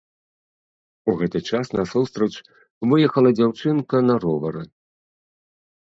У гэты час насустрач выехала дзяўчынка на ровары.